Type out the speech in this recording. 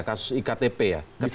kasus iktp ya